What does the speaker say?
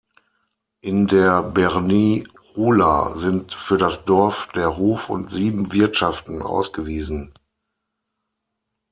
In der berní rula sind für das Dorf der Hof und sieben Wirtschaften ausgewiesen.